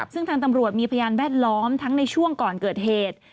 ซึ่งทางตำรวจมีพยานแวดล้อมทั้งในช่วงก่อนเกิดเหตุ